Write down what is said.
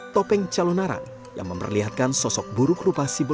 topeng calonarang yang memperlihatkan sosok buruk rupa sibuk jahatan